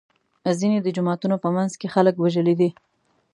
ځینې د جوماتونو په منځ کې خلک وژلي دي.